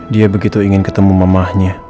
dia begitu ingin ketemu mamanya